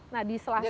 nah di selasuknya